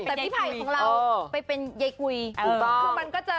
พี่ไผ่ฝไปเป็นยายกุย